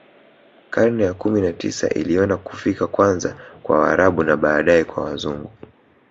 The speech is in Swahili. Karne ya kumi na tisa iliona kufika kwanza kwa Waarabu na baadae kwa Wazungu